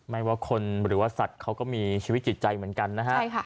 ไม่ว่าคนหรือว่าสัตว์เขาก็มีชีวิตจิตใจเหมือนกันนะฮะ